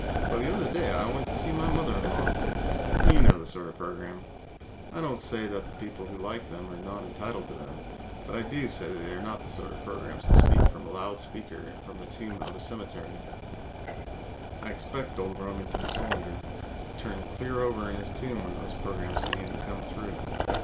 Well, the other day I went to see my mother in law " You know the sort of program. I don't say that the people who like them are not entitled to them, but I do say they are not the sort of programs to loud speak from a tomb in a cemetery. I expect old Remington Solander turned clear over in his tomb when those programs began to come through.